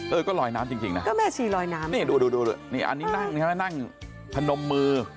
เออก็ลอยน้ำจริงนะก็แม่ชีลอยน้ำนี่ดูดูนี่อันนี้นั่งใช่ไหมนั่งพนมมือ